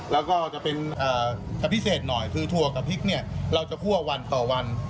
แล้วก็จะเป็นจะพิเศษหน่อยคือถั่วกับพริกเนี่ยเราจะคั่ววันต่อวัน